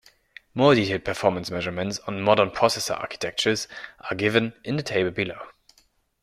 More detailed performance measurements on modern processor architectures are given in the table below.